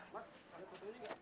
mas kamu ada foto ini gak